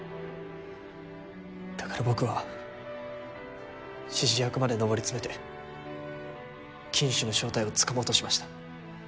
だから僕は指示役まで上り詰めて金主の正体を掴もうとしました。